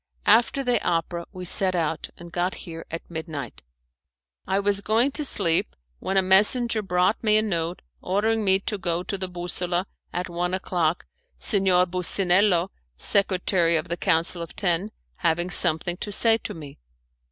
After the opera we set out, and got here at midnight. I was going to sleep when a messenger brought me a note ordering me to go to the Bussola at one o'clock, Signor Bussinello, Secretary of the Council of Ten, having something to say to me.